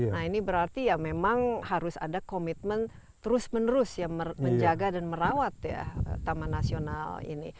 nah ini berarti ya memang harus ada komitmen terus menerus ya menjaga dan merawat ya taman nasional ini